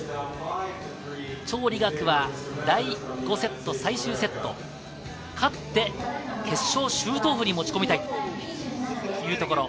チョウ・リガクは第５セット、最終セット、勝って、決勝シュートオフに持ち込みたいというところ。